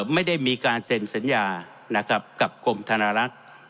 ไม่ได้มีการเซ็นสัญญานะครับกับกรมธนารักษ์